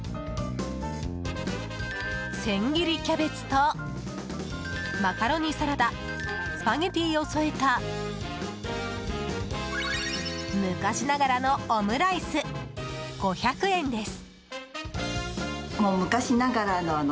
千切りキャベツとマカロニサラダスパゲティを添えた昔ながらのオムライス５００円です。